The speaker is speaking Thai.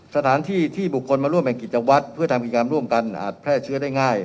สถานที่ที่บุคคลมาร่วมแห่งกิจวัตรเพื่อทำกิจกรรมร่วมกันอาจแพร่เชื้อได้ง่าย